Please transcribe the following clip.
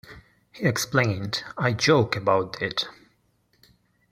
He explained: I joke about it.